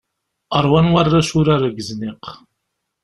Rwan warrac urar deg uzniq.